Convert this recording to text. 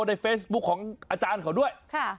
ในเฟซบุ๊คของอาจารย์เขาด้วย